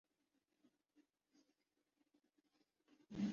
اب یہ کس پوزیشن میں ہیں کہ بطور وزیر داخلہ کوئی حکم دیں